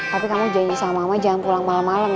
tapi kamu janji sama mama jangan pulang malem malem ya